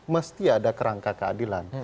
mesti ada kerangka keadilan